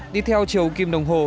đi theo chiều kim đồng hồ